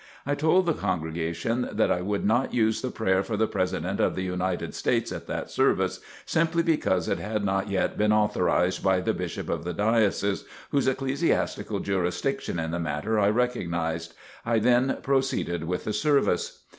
I told the congregation that I would not use the prayer for the President of the United States at that service, simply because it had not yet been authorized by the Bishop of the Diocese whose ecclesiastical jurisdiction in the matter I recognized. I then proceeded with the service.